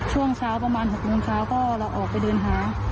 ช่วงเช้าประมาณ๖โมงเช้าก็เราออกไปเดินหา